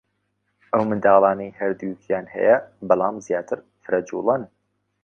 ئەو منداڵانەی هەردووکیان هەیە بەلام زیاتر فرەجووڵەن